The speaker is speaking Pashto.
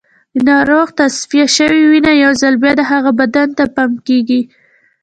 د ناروغ تصفیه شوې وینه یو ځل بیا د هغه بدن ته پمپ کېږي.